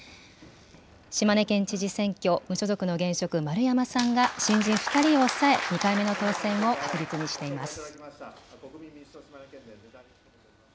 島根県知事選挙、無所属の現職、丸山さんが新人２人を抑え、２回目の当選を確実にしています。